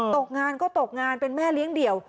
ตกงานก็ตกงานเป็นแม่เลี้ยงเดี่ยว